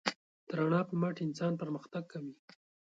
د رڼا په مټ انسان پرمختګ کوي.